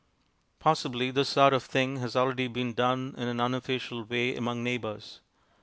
Possibly this sort of thing has already been done in an unofficial way among neighbors.